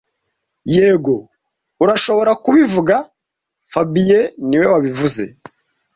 Yego, urashobora kubivuga fabien niwe wabivuze